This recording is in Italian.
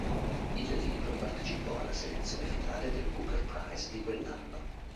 Il libro partecipò alla selezione finale del Booker Prize di quell'anno.